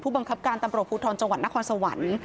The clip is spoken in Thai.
บังคับการตำรวจภูทรจังหวัดนครสวรรค์